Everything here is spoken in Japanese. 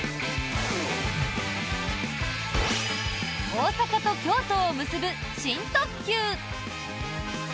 大阪と京都を結ぶ新特急。